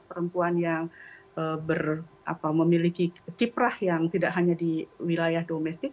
perempuan yang memiliki kiprah yang tidak hanya di wilayah domestik